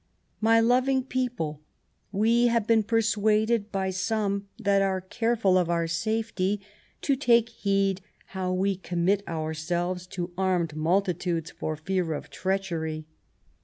" My loving people, we have been persuaded by some that are careful of our safety, to take heed how we commit ourselves to armed multitudes for fear of treachery'.